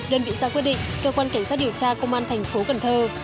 đơn vị ra quyết định cơ quan cảnh sát điều tra công an thành phố cần thơ